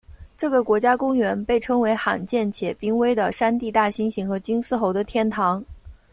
这个国家公园被称为罕见且濒危的山地大猩猩和金丝猴的天堂。